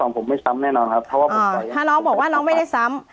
ผมไม่ซ้ำแน่นอนครับเพราะว่าผมถ้าน้องบอกว่าน้องไม่ได้ซ้ำ